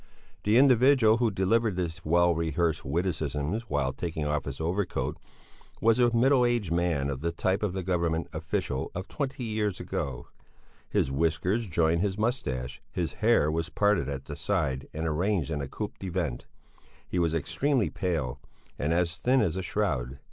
The individual who delivered these well rehearsed witticisms while taking off his overcoat, was a middle aged man of the type of the government official of twenty years ago; his whiskers joined his moustache, his hair was parted at the side and arranged in a coup de vent. He was extremely pale and as thin as a shroud.